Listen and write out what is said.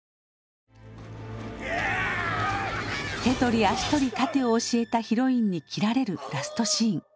手取り足取り殺陣を教えたヒロインに斬られるラストシーン。